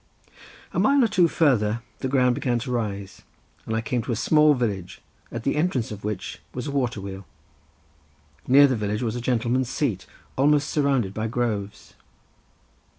A mile or two further the ground began to rise, and I came to a small village at the entrance of which was a water wheel—near the village was a gentleman's seat almost surrounded by groves.